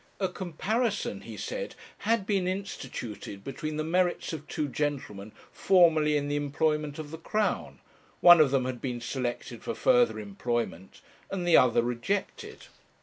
'A comparison,' he said, 'had been instituted between the merits of two gentlemen formerly in the employment of the Crown, one of them had been selected for further employment, and the other rejected.